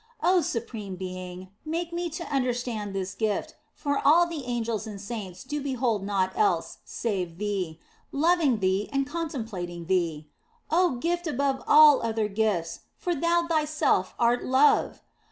Oh Supreme Being, make me to understand this gift, for all the angels and saints do behold naught else save Thee, loving Thee and contem plating Thee. Oh, gift above all other gifts, for Thou Thyself art love